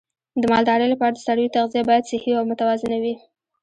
د مالدارۍ لپاره د څارویو تغذیه باید صحي او متوازنه وي.